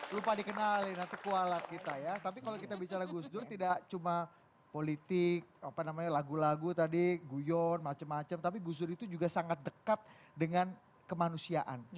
lupa dikenalin atau kuala kita ya tapi kalau kita bicara gus dur tidak cuma politik apa namanya lagu lagu tadi guyon macam macam tapi gus dur itu juga sangat dekat dengan kemanusiaan